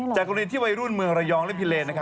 กรณีที่วัยรุ่นเมืองระยองและพิเลน